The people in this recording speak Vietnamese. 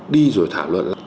đi rồi thảo luận